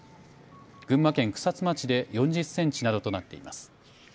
群馬県草津町で４０センチなどとなっています。